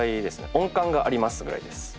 「音感があります」ぐらいです。